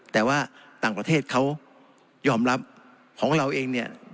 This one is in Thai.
แต่ว่าต่างประเทศเขายอมรับของเราเองเนี่ย